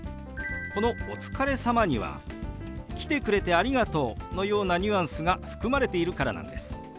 この「お疲れ様」には「来てくれてありがとう」のようなニュアンスが含まれているからなんです。